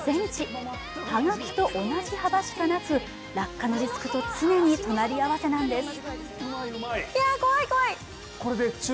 葉書と同じ幅しかなく、落下のリスクと隣り合わせなんです。